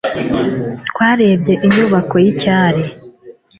twarebye inyubako y'icyari